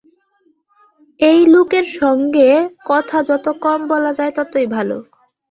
এই লোকের সঙ্গে কথা যত কম বলা যায়, ততই ভালো।